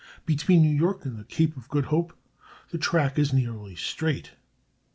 Between New York and the Cape of Good Hope the track is nearly straight.